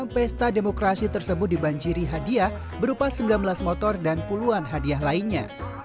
pesta demokrasi tersebut dibanjiri hadiah berupa sembilan belas motor dan puluhan hadiah lainnya